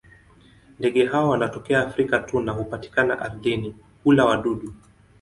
Ndege hawa wanatokea Afrika tu na hupatikana ardhini; hula wadudu.